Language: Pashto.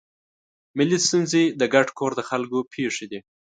ملي ستونزې د ګډ کور د خلکو پېښې دي.